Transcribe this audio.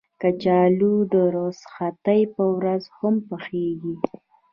کچالو د رخصتۍ په ورځ هم پخېږي